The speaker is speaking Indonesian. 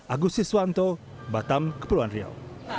agusti swanto batam kepulauan riau